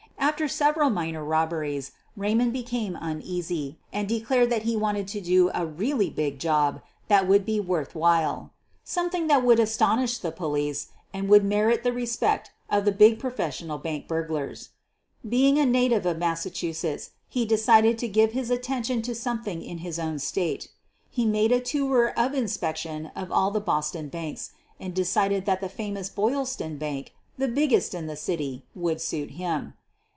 After several minor robberies Raymond became uneasy, and declared that he wanted to do a really big job ROBBING THE BOYLSTON BANK mat would be worth while — something that would astonish the police and would merit the respect of the big professional bank burglars. • Being a native of Massachusetts, he decided to > give his attention to something in his own State. He made a tour of inspection of all the Boston banks, and decided that the famous Boylston Bank, the biggest in the city, would suit him.